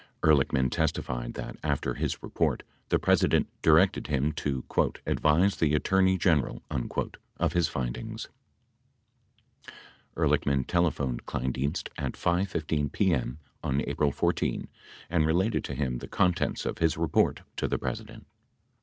77 Ehrlich man testified that, after his report, the President directed him to "ad vise the Attorney General" of his findings. 78 Ehrlichman telephoned Kleindienst at 5 :15 p.m. on April 14 and related to him the contents of his report to the President.